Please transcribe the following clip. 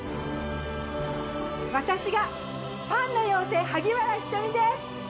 私がパンの妖精、萩原ひとみです。